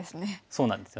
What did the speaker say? そうなんですよね。